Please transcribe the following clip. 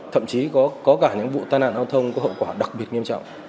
thậm chí có cả những vụ tai nạn giao thông có hậu quả đặc biệt nghiêm trọng